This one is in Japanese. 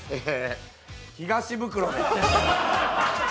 「＃東ブクロ」で。